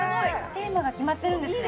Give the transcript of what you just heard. テーマが決まってるんですね